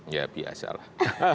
ya biasa lah